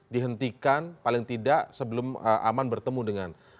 dihentikan paling tidak sebelum aman bertemu dengan